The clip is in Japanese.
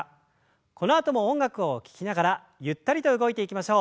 このあとも音楽を聞きながらゆったりと動いていきましょう。